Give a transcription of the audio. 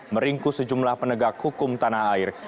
meringkus sejumlah penegak hukum tanah air